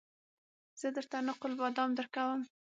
زه درته نقل بادام درکوم